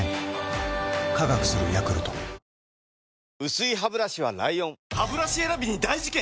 薄いハブラシは ＬＩＯＮハブラシ選びに大事件！